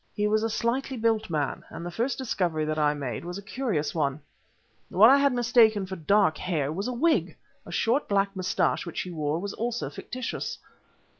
He was a slightly built man, and the first discovery that I made was a curious one. What I had mistaken for dark hair was a wig! The short black mustache which he wore was also factitious.